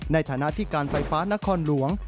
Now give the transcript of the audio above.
ในฐานะที่การไฟฟ้านครหลวง